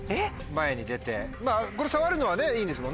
前に出てこれ触るのはいいんですもんね。